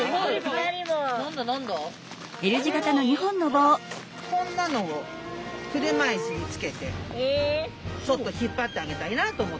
このこんなのを車いすにつけてちょっと引っ張ってあげたいなと思ってます。